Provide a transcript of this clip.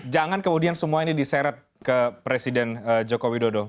jangan kemudian semua ini diseret ke presiden joko widodo